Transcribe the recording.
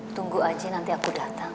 tunggu aja nanti aku datang